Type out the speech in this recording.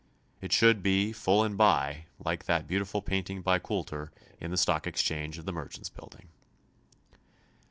It should be "full and by" like that beautiful painting by Coulter in the stock exchange of the Merchants' Building.